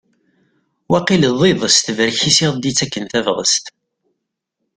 Wakil d iḍ s tebrek-is i aɣ-d-yettakken tabɣest?